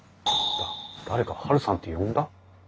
誰か「ハルさん」って呼んだ？